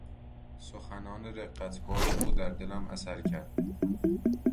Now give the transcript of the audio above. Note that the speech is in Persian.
سخنان رقتبار او در دلم اثر کرد.